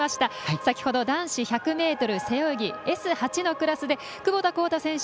先ほど男子１００ｍ背泳ぎＳ８のクラスで窪田幸太選手